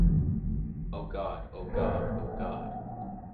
Oh god, oh god, oh god!